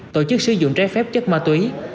tổ chức sử dụng trái phép chất ma túy